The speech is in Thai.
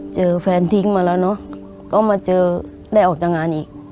เจอแฟนทิ้งมาแล้วเนอะก็มาเจอได้ออกจากงานอีก